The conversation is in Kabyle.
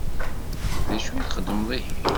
D acu txedmeḍ ihi?